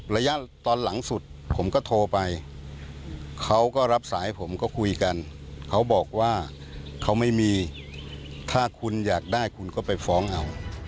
ระยะตอนหลังสุดผมก็โทรไปเขาก็รับสายผมก็คุยกันเขาบอกว่าเขาไม่มีถ้าคุณอยากได้คุณก็ไปฟ้องเอา